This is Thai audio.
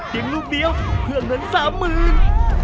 ยิ้มลูกเดียวเพื่อเงิน๓หมื่น